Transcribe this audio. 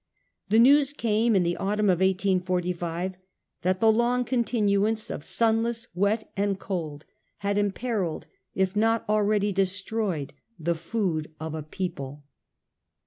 The news came in the autumn of 1845 that the long continuance of sunless wet and cold had imperilled, if not already destroyed, the food of a people.